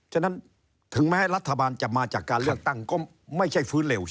ฉะนั้นถึงแม้รัฐบาลจะมาจากการเลือกตั้งก็ไม่ใช่ฟื้นเร็ว